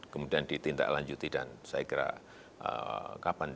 kemudian ditindak lanjuti dan saya kira kapan